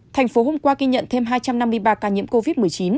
thành phố hôm qua ghi nhận thêm hai trăm năm mươi ba ca nhiễm covid một mươi chín